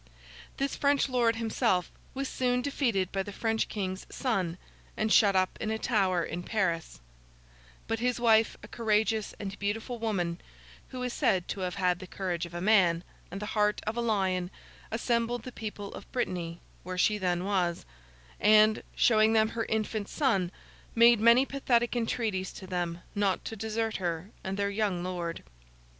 This French lord, himself, was soon defeated by the French King's son, and shut up in a tower in Paris; but his wife, a courageous and beautiful woman, who is said to have had the courage of a man, and the heart of a lion, assembled the people of Brittany, where she then was; and, showing them her infant son, made many pathetic entreaties to them not to desert her and their young Lord.